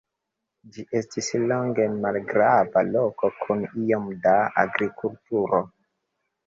Ĝi estis longe malgrava loko kun iom da agrikulturo.